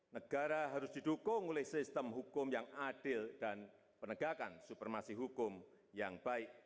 negara harus didukung oleh sistem hukum yang adil dan penegakan supermasi hukum yang baik